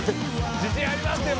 自信ありますよ！